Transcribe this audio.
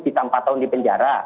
kita empat tahun dipenjara